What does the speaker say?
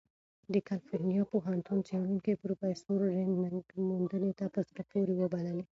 د کلیفورنیا پوهنتون څېړونکی پروفیسر رین نګ دې موندنې ته "په زړه پورې" وبللې.